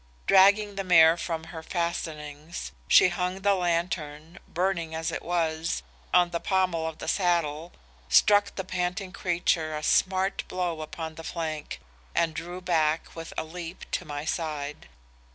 Dragging the mare from her fastenings, she hung the lantern, burning as it was, on the pommel of the saddle, struck the panting creature a smart blow upon the flank, and drew back with a leap to my side.